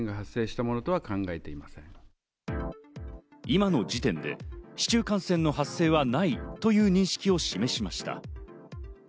今の時点で市中感染の発生はないという認識を示しました。